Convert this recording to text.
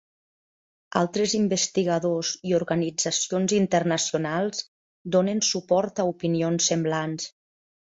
Altres investigadors i organitzacions internacionals donen suport a opinions semblants.